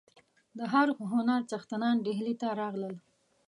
د هر هنر څښتنان ډهلي ته راغلل.